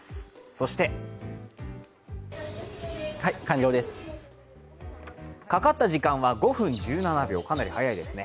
そしてかかった時間は５分１７秒、かなり早いですね。